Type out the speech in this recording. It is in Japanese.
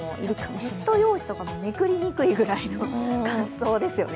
テスト用紙とかもめくりにくいぐらいの乾燥ですよね。